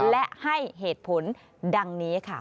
และให้เหตุผลดังนี้ค่ะ